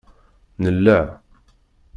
Nella